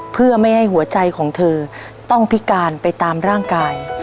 เพื่อไม่ให้หัวใจของเธอต้องพิการไปตามร่างกาย